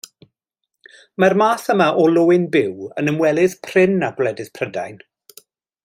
Mae'r math yma o löyn byw yn ymwelydd prin â gwledydd Prydain.